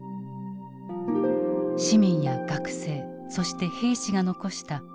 市民や学生そして兵士が残した膨大な言葉。